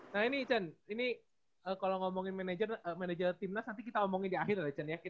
nah ini cen ini kalau ngomongin manajer tim nas nanti kita omongin di akhir ya cen ya